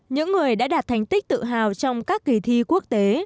những người đã đạt thành tích tự hào trong các kỳ thi quốc tế